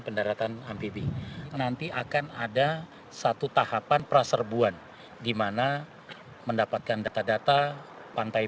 pendaratan amfibi nanti akan ada satu tahapan praserbuan dimana mendapatkan data data pantai